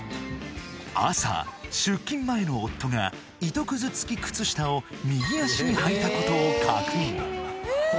朝出勤前の夫が糸くず付き靴下を右足にはいたことを確認